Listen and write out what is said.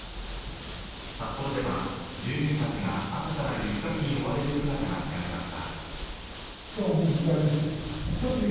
札幌では住民たちが朝から雪かきに追われる姿が見られました。